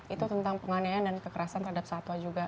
itu tentang penganiayaan dan kekerasan terhadap satwa juga